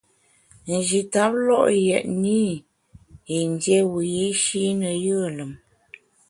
Nji tap lo’ yètne i yin dié wiyi’shi ne yùe lùm.